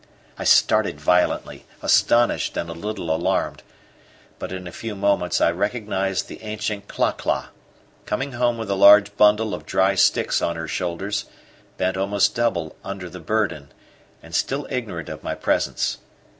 I started violently, astonished and a little alarmed, but in a very few moments I recognized the ancient Cla cla, coming home with a large bundle of dry sticks on her shoulders, bent almost double under the burden, and still ignorant of my presence.